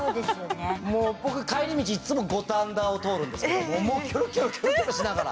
もう僕帰り道いっつも五反田を通るんですけどもうキョロキョロキョロキョロしながら。